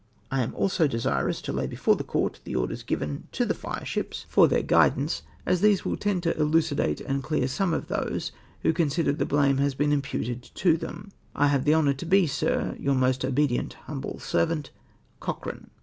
I am also desirous to lay before the Court the orders given to the fireships for CONFUTING THAT IMPUTATION. 91 their guidance, as these will tend "to elucidate and clear some of those who consider that blame has been imputed to them. " I have the honour to be, sir, " Your most obedient lumible servant, " Cochrane.